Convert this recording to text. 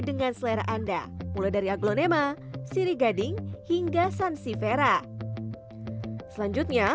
dengan selera anda mulai dari aglonema sirigading hingga sansifera selanjutnya